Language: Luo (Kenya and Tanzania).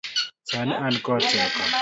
Sani an kod teko.